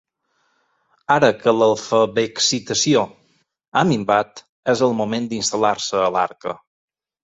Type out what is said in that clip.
Ara que l'alfabexcitació ha minvat, és el moment d'instal·lar-se a l'Arca.